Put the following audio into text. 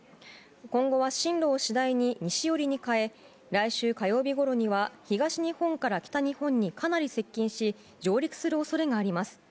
今後は進路を次第に西寄りに変え来週火曜日ごろには東日本から北日本にかなり接近し上陸する恐れがあります。